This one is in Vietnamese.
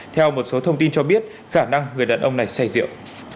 theo một số thông tin cho biết khả năng người đàn ông này say rượu